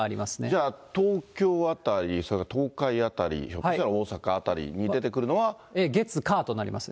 じゃあ、東京辺り、それから東海辺り、ひょっとしたら、大阪月、火となります。